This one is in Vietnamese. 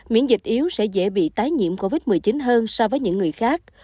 miễn dịch yếu sẽ dễ bị tái nhiễm covid một mươi chín hơn so với những người khác